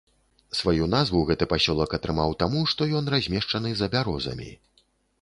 Сваю назву гэты пасёлак атрымаў таму, што ён размешчаны за бярозамі.